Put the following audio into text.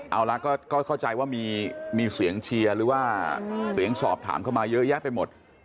เอาละก็เข้าใจว่ามีเสียงเชียร์หรือว่าเสียงสอบถามเข้ามาเยอะแยะไปหมด